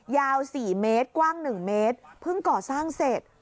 ยาว๔เมตรกว้าง๑เมตรเพิ่งก่อสร้างเสร็จ